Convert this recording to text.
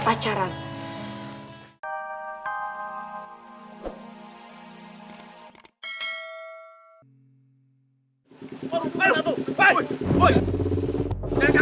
woi jangan ngekalo deh